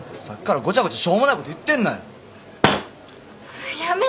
さっきからごちゃごちゃしょうもないこと言ってんなや。